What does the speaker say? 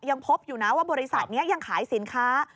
ยังพบอยู่นะว่าบริษัทนี้ยังขายสินค้า